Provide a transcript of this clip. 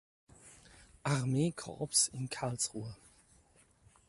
Armee-Korps in Karlsruhe.